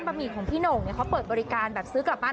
หมี่ของพี่โหน่งเขาเปิดบริการแบบซื้อกลับบ้าน